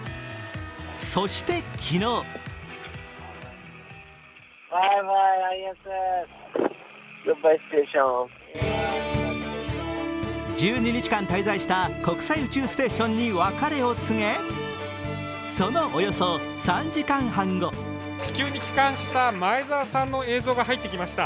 そして昨日１２日間滞在した国際宇宙ステーションに別れを告げ、そのおよそ３時間半後地球に帰還した前澤さんの映像が入ってきました。